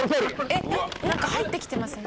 えっ何か入ってきてません？